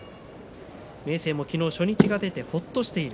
明生も昨日、初日が出てほっとしている。